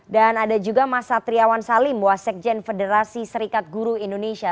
dan ada juga mas satriawan salim wasikjen federasi serikat guru indonesia